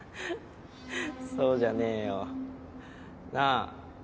そうじゃねえよ。なぁ。